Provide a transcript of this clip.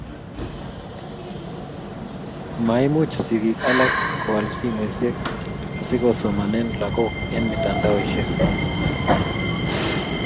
maimuch sigik alak koal simoisiek, asikusomane lagok eng' mitandaosiek